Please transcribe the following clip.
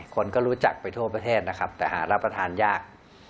คนก็รู้จักไปทั่วประเทศนะครับแต่หารับประทานยาก